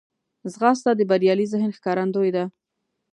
ځغاسته د بریالي ذهن ښکارندوی ده